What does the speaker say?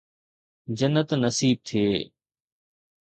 جنت نصيب ٿئي.